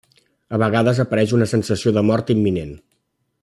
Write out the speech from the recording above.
A vegades apareix una sensació de mort imminent.